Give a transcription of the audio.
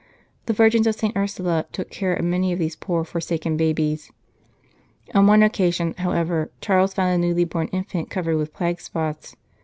The Virgins of St. Ursula took care of many of these poor forsaken babies. On one occasion, however, Charles found a newly born infant covered with plague spots.